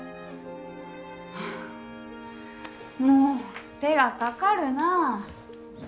もう手がかかるなぁ。